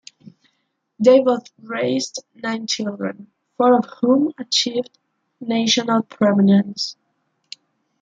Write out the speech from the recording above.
They both raised nine children, four of whom achieved national prominence.